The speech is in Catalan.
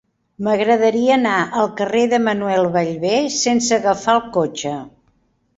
M'agradaria anar al carrer de Manuel Ballbé sense agafar el cotxe.